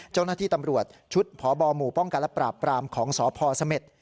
เจ้าหน้าที่ตำรวจชุดพบหมู่ป้องกันและปราบปรามของสพเสม็ด